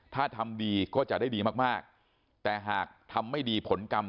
ถ้าทำดีก็จะได้ดีมากมากแต่หากทำไม่ดีผลกรรม